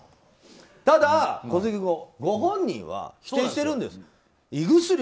ただ、小杉君ご本人は否定してるんです。